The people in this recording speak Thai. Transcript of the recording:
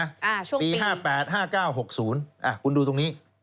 อ่าช่วงปีปี๕๘๕๙๖๐อ่ะคุณดูตรงนี้